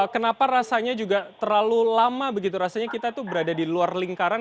kenapa rasanya juga terlalu lama begitu rasanya kita tuh berada di luar lingkaran